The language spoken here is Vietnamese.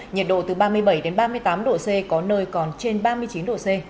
nhiệt độ từ ba mươi bảy đến ba mươi tám độ c có nơi còn trên ba mươi chín độ c